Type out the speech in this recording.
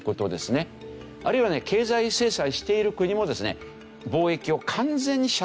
あるいはね経済制裁している国もですね